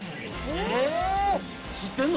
え！